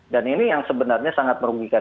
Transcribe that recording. dan ini yang sebenarnya sangat merugikan